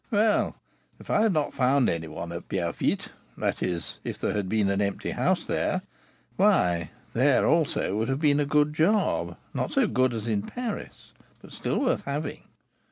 "Well, if I had not found any one at Pierrefitte, that is, if there had been an empty house there, why, there also would have been a good job; not so good as in Paris, but still well worth having.